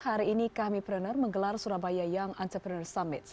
hari ini kami perener menggelar surabaya young entrepreneur summit